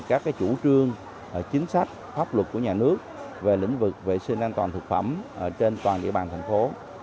các chủ trương chính sách pháp luật của nhà nước về lĩnh vực vệ sinh an toàn thực phẩm trên toàn địa bàn thành phố